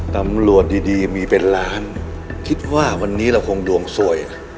ตำรวจดีมีเป็นล้านคิดว่าวันนี้เราคงดวงสวย